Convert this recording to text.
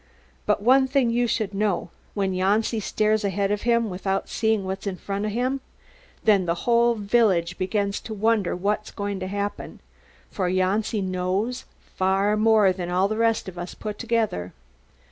But one thing you should know: when Janci stares ahead of him without seeing what's in front of him, then the whole village begins to wonder what's going to happen, for Janci knows far more than all the rest of us put together."